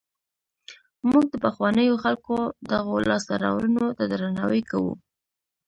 موږ د پخوانیو خلکو دغو لاسته راوړنو ته درناوی کوو.